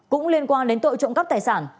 cũng liên quan đến tội trộm cắp tài sản